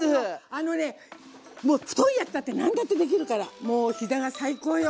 あのね太いやつだって何だってできるからもう膝が最高よ！